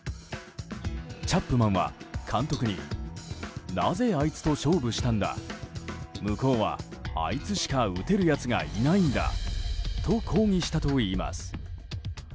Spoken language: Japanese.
チャップマンは監督になぜ、あいつと勝負したんだ向こうは、あいつしか打てるやつがいないんだと抗議したといいます。